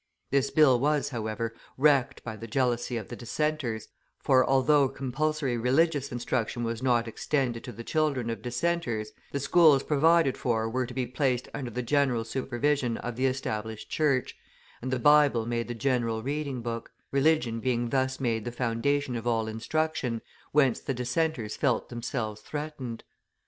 This bill was, however, wrecked by the jealousy of the dissenters; for, although compulsory religious instruction was not extended to the children of dissenters, the schools provided for were to be placed under the general supervision of the Established Church, and the Bible made the general reading book; religion being thus made the foundation of all instruction, whence the dissenters felt themselves threatened.